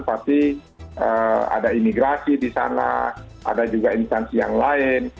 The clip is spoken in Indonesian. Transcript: pasti ada imigrasi di sana ada juga instansi yang lain